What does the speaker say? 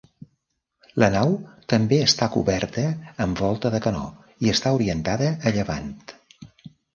La nau també està coberta amb volta de canó i està orientada a llevant.